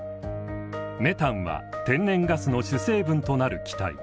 メタンは天然ガスの主成分となる気体。